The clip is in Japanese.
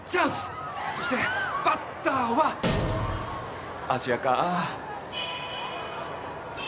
そしてバッターは芦屋か。